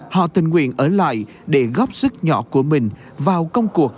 họ tình nguyện ở lại để góp sức nhỏ của mình vào công cuộc